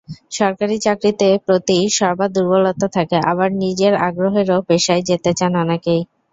সরকারি চাকরির প্রতি সবার দুর্বলতা থাকে, আবার নিজের আগ্রহেরও পেশায় যেতে চান অনেকেই।